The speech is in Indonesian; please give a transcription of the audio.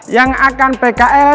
yang akan pkl